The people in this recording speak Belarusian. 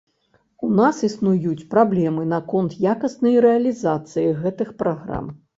У нас існуюць праблемы наконт якаснай рэалізацыі гэтых праграм.